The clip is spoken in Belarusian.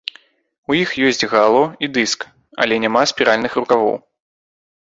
У іх ёсць гало і дыск, але няма спіральных рукавоў.